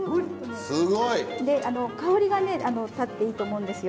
香りがね立っていいと思うんですよ。